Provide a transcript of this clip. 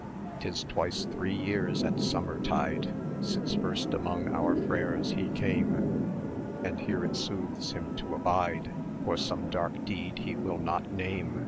[du] "'Tis twice three years at summer tide Since first among our freres he came; And here it soothes him to abide 800 For some dark deed he will not name.